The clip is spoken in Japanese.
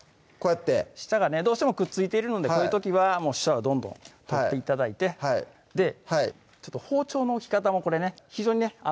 こうやって下がどうしてもくっついてるのでこういう時は下はどんどん取って頂いてで包丁の置き方もこれね非常にね